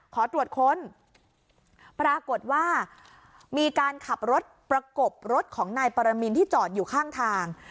ขอตรวจค้นปรากฏว่ามีการขับรถประกบรถของนายปรมินที่จอดอยู่ข้างทาง